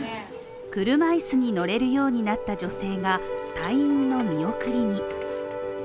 車椅子に乗れるようになった女性が退院の見送りに。